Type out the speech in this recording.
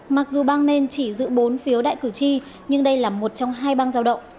mặc dù bang main chỉ giữ bốn phiếu đại cử tri nhưng đây là một trong hai bang giao động